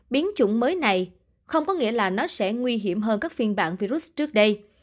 biến chủng mới này không có nghĩa là nó sẽ nguy hiểm hơn các phiên bản virus trước đây